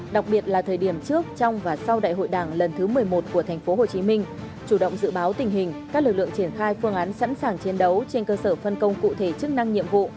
đặc biệt là thời điểm trước trong và sau đại hội đảng lần thứ một mươi một của tp hcm chủ động dự báo tình hình các lực lượng triển khai phương án sẵn sàng chiến đấu trên cơ sở phân công cụ thể chức năng nhiệm vụ